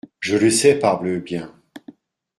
Je le sais parbleu bien !…